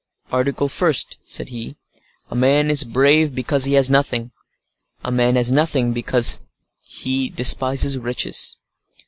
"Article first," said he, "A man is brave because he has nothing. A man has nothing because he despises riches."